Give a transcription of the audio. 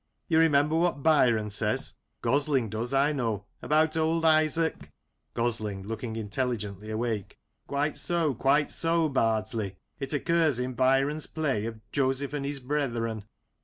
You remember what Byron says — Gosling does, I know — about old Isaak Gosling {looking intelligently awake) : Quite so, quite so, Bardsley; it occurs in Byron's play of "Joseph and his Brethren."